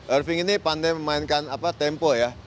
erving ini pandai memainkan tempo ya